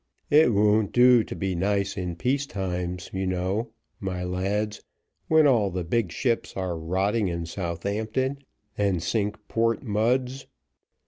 It won't do to be nice in peace times you know, my lads, when all the big ships are rotting in Southampton and Cinque Port muds.